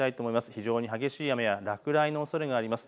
非常に激しい雨や落雷のおそれがあります。